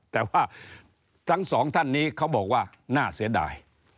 แต่ว่าทั้งสองท่านนี้เขาบอกว่าน่าเสียดาย